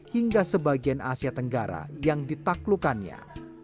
hingga sebagian asia tenggara yang ditaklukannya